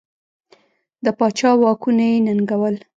د پاچا واکونه یې ننګول.